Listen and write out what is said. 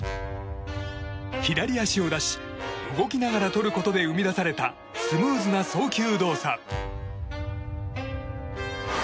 左足を出し、動きながらとることで生み出されたスムーズな送球動作。